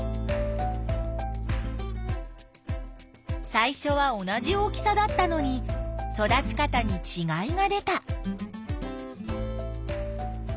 最初は同じ大きさだったのに育ち方にちがいが出た。